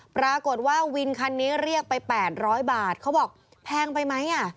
ปรากฏว่าวินคันนี้เรียกไป๘๐๐บาทเขาบอกแพงไปไหม